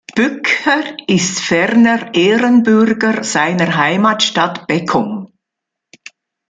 Bücker ist ferner Ehrenbürger seiner Heimatstadt Beckum.